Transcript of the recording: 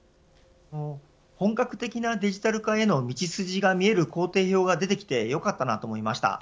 本格的なデジタル化への道筋が見える工程表が出てきてよかったなと思いました。